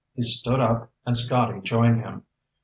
He stood up, and Scotty joined him.